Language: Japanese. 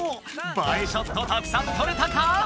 映えショットたくさん撮れたか？